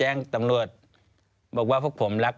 แล้วเขาสร้างเองว่าห้ามเข้าใกล้ลูก